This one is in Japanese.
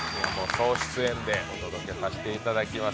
総出演でお届けさせていただきます。